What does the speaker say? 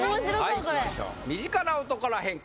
はいいきましょう身近な音から変化！